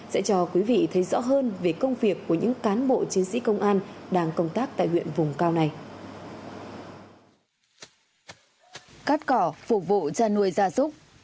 sẽ cho quý vị thấy rõ hơn về công việc của những cán bộ chiến sĩ công an đang công tác tại huyện vùng cao này